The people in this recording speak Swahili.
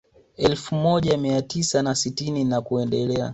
Elfu moja mia tisa na sitini na kuendelea